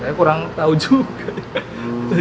saya kurang tahu juga